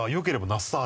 那須さん。